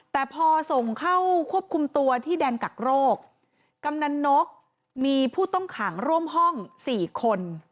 แต่พอส่งเข้าควบคุมตัวที่แดนกักโรคกำนันนกมีผู้ต้องขังร่วมห้องสี่คน